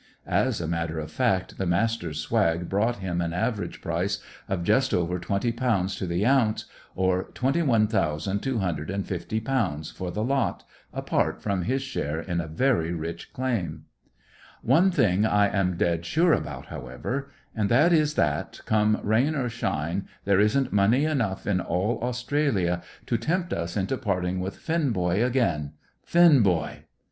(As a matter of fact, the Master's swag brought him an average price of just over £20 to the ounce, or £21,250 for the lot, apart from his share in a very rich claim.) "One thing I am dead sure about, however, and that is that, come rain or shine, there isn't money enough in all Australia to tempt us into parting with Finn boy again. Finn, boy!"